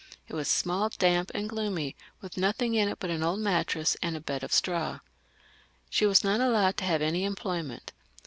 It was small, damp, and gloomy, with nothing in it but an old mattress and a bed of straw. She was not allowed to have any employment.